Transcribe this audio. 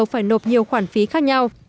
phải nộp nhiều khoản phí khác nhau